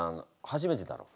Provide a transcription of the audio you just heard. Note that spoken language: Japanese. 初めてだろ？